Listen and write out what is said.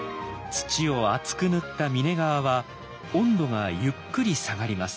土を厚く塗った峰側は温度がゆっくり下がります。